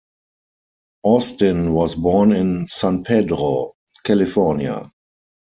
Austin was born in San Pedro, California.